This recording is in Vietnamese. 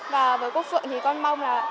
và với cô phượng thì con mong là